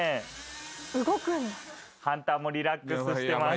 ハンターもリラックスしてます。